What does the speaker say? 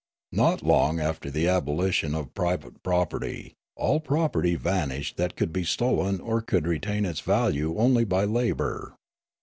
Not long after the abolition of private property, all property vanished that could be stolen or could retain its value only by labour.